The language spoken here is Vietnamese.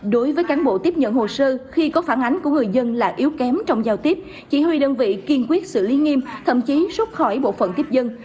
đối với cán bộ tiếp nhận hồ sơ khi có phản ánh của người dân là yếu kém trong giao tiếp chỉ huy đơn vị kiên quyết xử lý nghiêm thậm chí rút khỏi bộ phận tiếp dân